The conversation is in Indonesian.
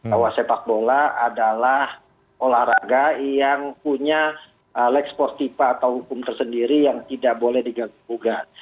bahwa sepak bola adalah olahraga yang punya leksportifipa atau hukum tersendiri yang tidak boleh diganggugat